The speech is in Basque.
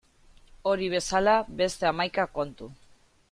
Hori bezala beste hamaika kontu.